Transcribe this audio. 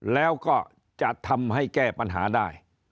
แล้วก็จะทำให้แก้ปัญหาได้